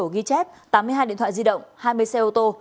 tám mươi hai điện thoại di động hai mươi xe ô tô